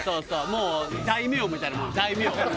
もう大名みたいなもん大名。